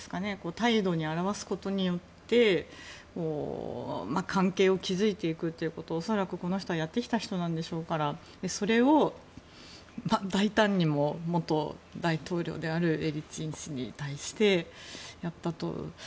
態度で表すことによって関係を築いていくということを恐らくこの人はやってきた人なんでしょうからそれを、大胆にも元大統領であるエリツィン氏に対してやったと。